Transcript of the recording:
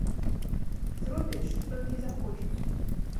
Зробяць, што толькі захочуць.